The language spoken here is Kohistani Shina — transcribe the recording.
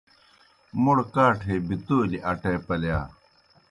موْڑ کاٹھے بِتَولیْ اٹے پلِیا۔